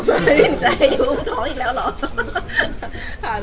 ไม่เป็นใจอุ้มท้องอีกแล้วหรอ